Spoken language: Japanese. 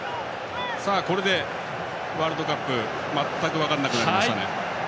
これでワールドカップは全く分からなくなりましたね。